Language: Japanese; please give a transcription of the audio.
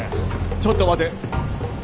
ちょっと待て。